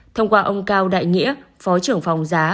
thông qua ông cao đại nghĩa phó trưởng phòng giá